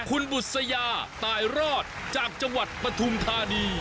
คุณบุษยาตายรอดจากจังหวัดปฐุมธานี